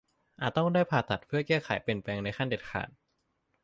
อาจต้องได้ผ่าตัดเพื่อแก้ไขเปลี่ยนแปลงในขั้นเด็ดขาด